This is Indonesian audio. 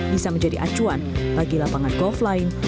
bisa menjadi acuan bagi lapangan golf lain